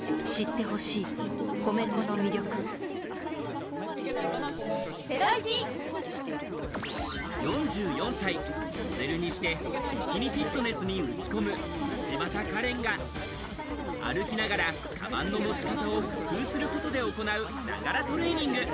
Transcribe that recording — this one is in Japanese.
歩きながら、カバンの持ち方４４歳、モデルにしてビキニフィットネスに打ち込む道端カレンが歩きながら、鞄の持ち方を工夫することで行うながらトレーニング。